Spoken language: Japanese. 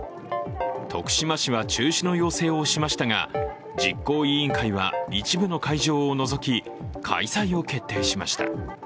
徳島市は中止の要請をしましたが実行委員会は一部の会場を除き開催を決定しました。